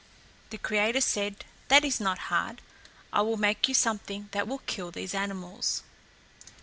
The creator said, "That is not hard. I will make you something that will kill these animals."